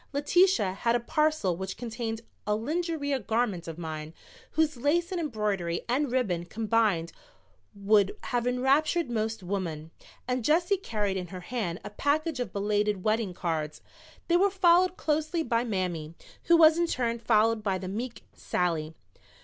Letitia had a parcel which contained a lingerie garment of mine, whose lace and embroidery and ribbon combined would have enraptured most women, and Jessie carried in her hand a package of belated wedding cards. They were followed closely by Mammy, who was in turn followed by the meek Sally.